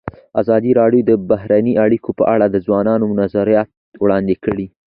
ازادي راډیو د بهرنۍ اړیکې په اړه د ځوانانو نظریات وړاندې کړي.